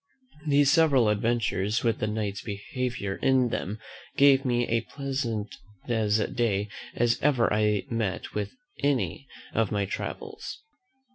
These several adventures, with the Knight's behaviour in them, gave me as pleasant a day as ever I met with in any of my travels.